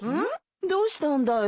どうしたんだい？